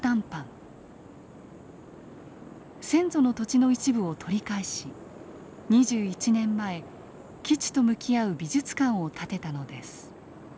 先祖の土地の一部を取り返し２１年前基地と向き合う美術館を建てたのです。